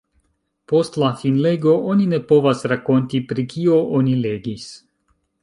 Post la finlego, oni ne povas rakonti, pri kio oni legis.